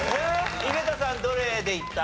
井桁さんどれでいった？